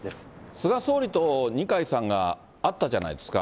菅総理と二階さんが会ったじゃないですか。